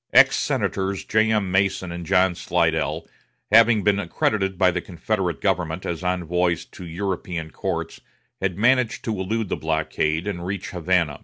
Ex Senators J.M. Mason and John Slidell, having been accredited by the Confederate government as envoys to European courts, had managed to elude the blockade and reach Havana.